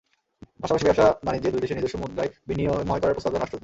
পাশাপাশি ব্যবসা-বাণিজ্যে দুই দেশের নিজস্ব মুদ্রায় বিনিময় করার প্রস্তাব দেন রাষ্ট্রদূত।